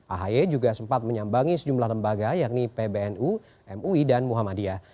ahy juga sempat menyambangi sejumlah lembaga yakni pbnu mui dan muhammadiyah